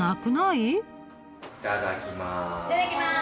いただきます。